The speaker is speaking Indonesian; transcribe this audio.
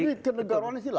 jadi ke negarawannya hilang